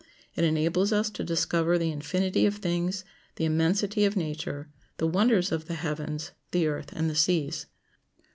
It enables us to discover the infinity of things, the immensity of nature, the wonders of the heavens, the earth, and the seas.